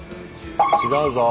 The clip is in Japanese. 違うぞ。